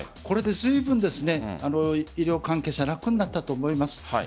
これでずいぶん医療関係者楽になったと思います。